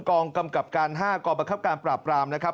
กองกำกับการ๕กบกปราบรามนะครับ